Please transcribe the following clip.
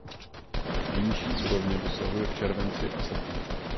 Nejnižší úrovně dosahuje v červenci a srpnu.